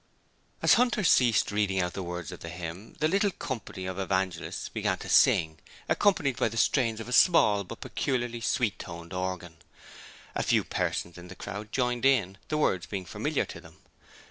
As Hunter ceased reading out the words of the hymn, the little company of evangelists began to sing, accompanied by the strains of a small but peculiarly sweet toned organ. A few persons in the crowd joined in, the words being familiar to them.